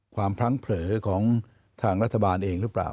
พลั้งเผลอของทางรัฐบาลเองหรือเปล่า